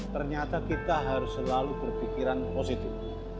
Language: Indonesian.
ternyata kita harus selalu berpikiran positif